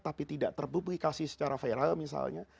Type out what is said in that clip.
tapi tidak terpublikasi secara viral misalnya